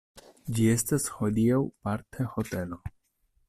Ĝi estas hodiaŭ parte hotelo.